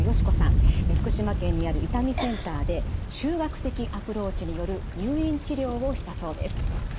福島県にある痛みセンターで集学的アプローチによる入院治療をしたそうです。